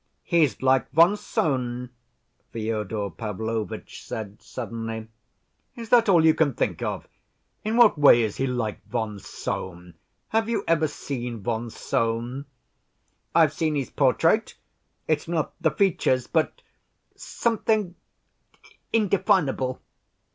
"He's like von Sohn," Fyodor Pavlovitch said suddenly. "Is that all you can think of?... In what way is he like von Sohn? Have you ever seen von Sohn?" "I've seen his portrait. It's not the features, but something indefinable.